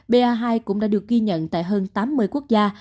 ba hai cũng đã được ghi nhận tại hơn tám mươi quốc gia